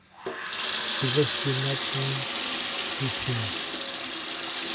Sebastianópolis do Sul